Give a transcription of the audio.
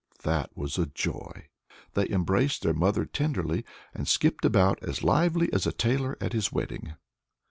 That was a joy! They embraced their mother tenderly, and skipped about as lively as a tailor at his wedding.